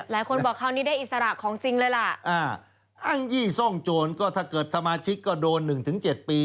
บอกคราวนี้ได้อิสระของจริงเลยล่ะอ้างยี่ซ่องโจรก็ถ้าเกิดสมาชิกก็โดน๑๗ปี